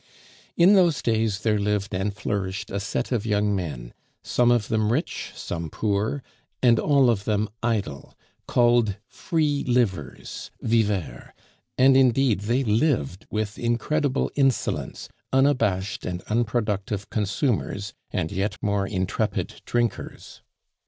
In those days there lived and flourished a set of young men, some of them rich, some poor, and all of them idle, called "free livers" (viveurs); and, indeed, they lived with incredible insolence unabashed and unproductive consumers, and yet more intrepid drinkers.